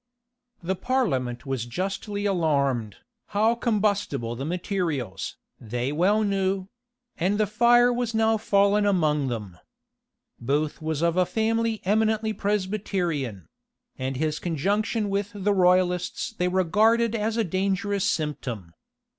The parliament was justly alarmed. How combustible the materials, they well knew; and the fire was now fallen among them. Booth was of a family eminently Presbyterian; and his conjunction with the royalists they regarded as a dangerous symptom.